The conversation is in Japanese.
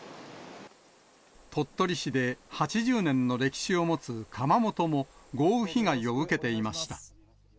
鳥取市で８０年の歴史を持つ窯元も豪雨被害を受けていました。